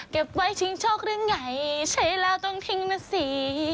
เก็บไว้ชิงโชคหรือไงใช้แล้วต้องทิ้งนะสิ